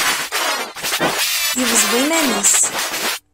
Yebẓeḍ iman-is.